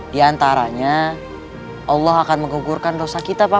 di antaranya allah akan mengugurkan dosa kita bapak